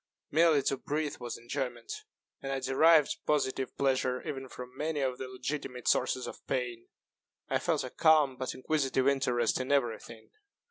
Merely to breathe was enjoyment; and I derived positive pleasure even from many of the legitimate sources of pain. I felt a calm but inquisitive interest in every thing.